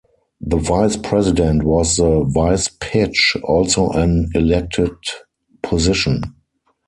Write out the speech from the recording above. The Vice President was the "vice-pitch", also an elected position.